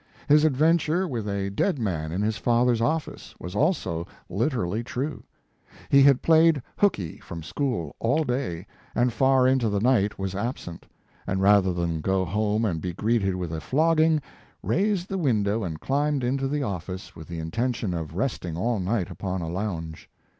His adventure with a dead man in his father s office was also literally true. He had played " hookey * from school all day and far into the night was absent, and rather than go home and be greeted with a flogging, raised the window and climbed into the office with the intention of resting all night upon a lounge.